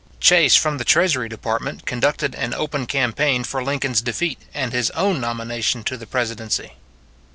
Chase from the Treasury Department conducted an open campaign for Lincoln s defeat and his own nomination to the Pres idency.